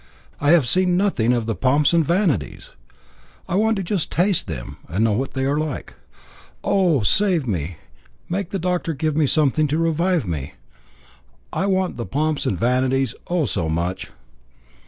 I have seen nothing of the pomps and vanities. I want to just taste them, and know what they are like. Oh! save me, make the doctor give me something to revive me. I want the pomps and vanities, oh! so much.